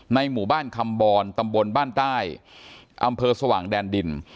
หมู่บ้านคำบรตำบลบ้านใต้อำเภอสว่างแดนดิน